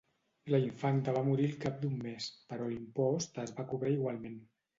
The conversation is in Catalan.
La infanta va morir al cap d'un mes, però l'impost es va cobrar igualment.